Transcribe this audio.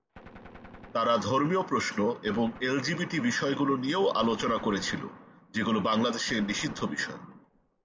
তারা ধর্মীয় প্রশ্ন এবং এলজিবিটি বিষয়গুলি নিয়েও আলোচনা করেছিল, যেগুলি বাংলাদেশে নিষিদ্ধ বিষয়।